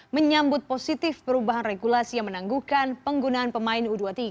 menyambut positif perubahan regulasi yang menangguhkan penggunaan pemain u dua puluh tiga